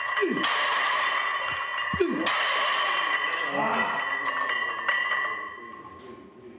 あ！